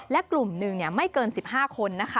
และกลุ่มหนึ่งไม่เกิน๑๕คนนะคะ